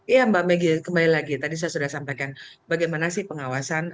iya mbak megi kembali lagi tadi saya sudah sampaikan bagaimana sih pengawasan